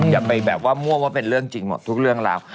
อย่าไปแบบว่ามั่วว่าเป็นเรื่องจริงหมดทุกเรื่องราว